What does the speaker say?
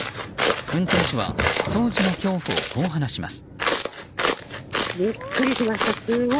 運転手は当時の恐怖をこう話します。